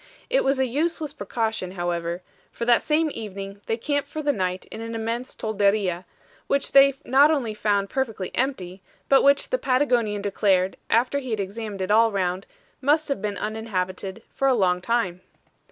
It was a useless precaution, however; for that same evening, they camped for the night in an immense TOLDERIA, which they not only found perfectly empty, but which the Patagonian declared, after he had examined it all round, must have been uninhabited for a long time.